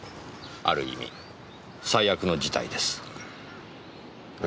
ある意味最悪の事態です。え？